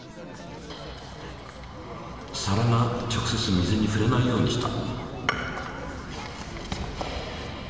皿が直接水にふれないようにした。